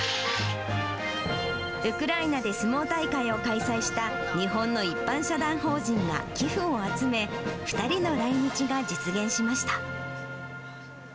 ウクライナで相撲大会を開催した日本の一般社団法人が寄付を集め、２人の来日が実現しました。